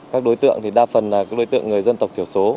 các đối tượng đa phần là đối tượng người dân tộc thiểu số